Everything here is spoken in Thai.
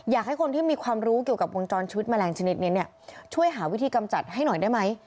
อยากให้คนที่มีความรู้เกี่ยวกับวงจรชีวิตแมลงชนิดนี้เนี่ยช่วยหาวิธีกำจัดให้หน่อยได้ไหม